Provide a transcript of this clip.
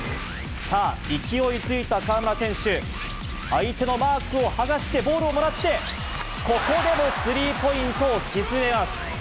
さあ、勢いづいた河村選手、相手のマークを剥がしてボールをもらって、ここでもスリーポイントを沈めます。